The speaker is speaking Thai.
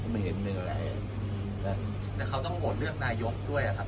ไม่เห็นเป็นอะไรแต่เขาต้องโหลยกได้ยกด้วย๋ครับท่าน